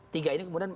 tiga ini kemudian